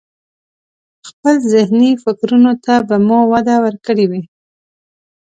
خپل ذهني فکرونو ته به مو وده ورکړي وي.